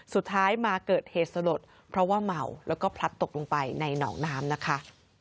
สุดท้ายมาเกิดเหตุสลดเพราะว่าเมาแล้วก็พลัดตกลงไปในหนองน้ำนะคะ